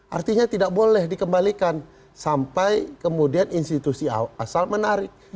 artinya tidak boleh dikembalikan sampai kemudian institusi asal menarik